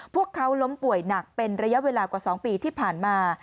พวกเขาล้มป่วยหนักเป็นระยะเวลากว่า๒ปีที่ผ่านมา